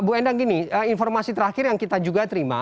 bu endang gini informasi terakhir yang kita juga terima